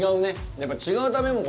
やっぱ違う食べもん。